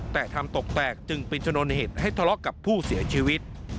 แต่ทำตกแตกจึงเป็นชนวนเหตุให้ทะเลาะกับผู้เสียชีวิต